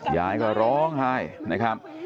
ยายก็ร้องไห้นะครับ